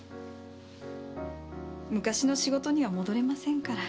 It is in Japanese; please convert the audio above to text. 昔の仕事には戻れませんから。